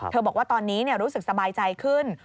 บอกว่าตอนนี้รู้สึกสบายใจขึ้น